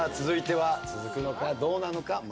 続いては続くのかどうなのか？